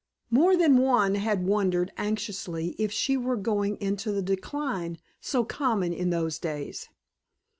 More than one had wondered anxiously if she were going into the decline so common in those days.